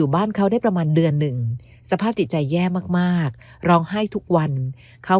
บ้านเขาได้ประมาณเดือนหนึ่งสภาพจิตใจแย่มากร้องไห้ทุกวันเขา